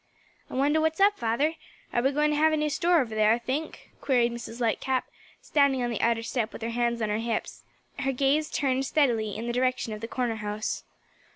"I wonder what's up, father? are we goin' to have a new store over there, think?" queried Mrs. Lightcap, standing on the outer step with her hands on her hips, her gaze turned steadily in the direction of the corner house.